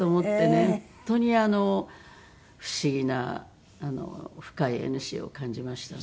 本当に不思議な深い縁を感じましたね。